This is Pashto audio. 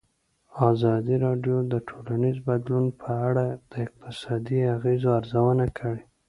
ازادي راډیو د ټولنیز بدلون په اړه د اقتصادي اغېزو ارزونه کړې.